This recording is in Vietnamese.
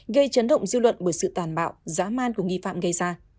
gây chấn động dư luận bởi sự tàn bạo giá man của nghi phạm gây ra